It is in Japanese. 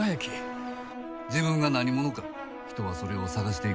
自分が何者か人はそれを探していく。